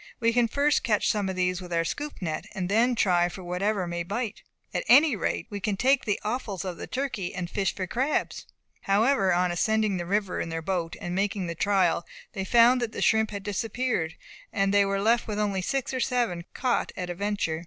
We can first catch some of these with our scoop net, and then try for whatever may bite. At any rate we can take the offals of the turkey, and fish for crabs." However, on ascending the river in their boat, and making the trial, they found that the shrimp had disappeared, and they were left with only six or seven caught at a venture.